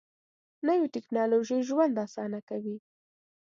نوې ټیکنالوژي ژوند اسانه کوي